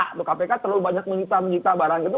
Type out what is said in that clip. untuk kpk terlalu banyak menyita menyita barang itu